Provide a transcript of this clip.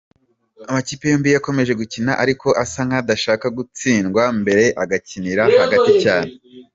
Amakipe yombi yakomeje gukina ariko asa nk’adashaka gutsindwa mbere agakinira hagati cyane.